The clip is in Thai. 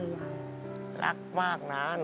แต่ที่แม่ก็รักลูกมากทั้งสองคน